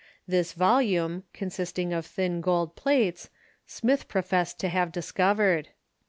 This volume, con sisting of thin gold plates, Smith professed to have discovered.